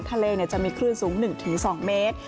ทางทะเลเนี่ยจะมีคลื่นสูง๑๒เมตร